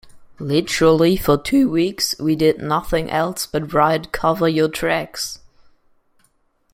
Literally, for two weeks, we did nothing else but write "Cover Your Tracks".